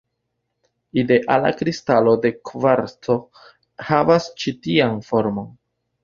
Ideala kristalo de kvarco havas ĉi tian formon.